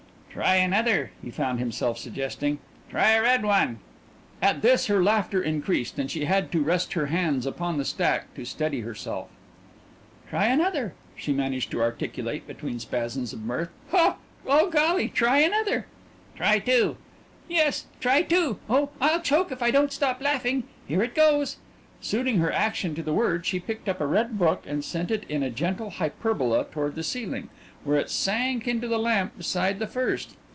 "Try another," he found himself suggesting "try a red one." At this her laughter increased, and she had to rest her hands upon the stack to steady herself. "Try another," she managed to articulate between spasms of mirth. "Oh, golly, try another!" "Try two." "Yes, try two. Oh, I'll choke if I don't stop laughing. Here it goes." Suiting her action to the word, she picked up a red book and sent it in a gentle hyperbola toward the ceiling, where it sank into the lamp beside the first.